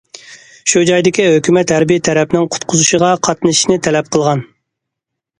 شۇ جايدىكى ھۆكۈمەت ھەربىي تەرەپنىڭ قۇتقۇزۇشقا قاتنىشىشىنى تەلەپ قىلغان.